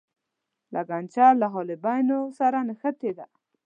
لګنچه له حالبینو سره نښتې ده.